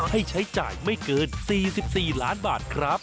ให้ใช้จ่ายไม่เกิน๔๔ล้านบาทครับ